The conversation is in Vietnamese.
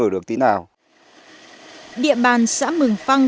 địa bàn xã mường phăng